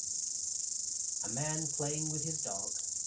A man playing with his dog.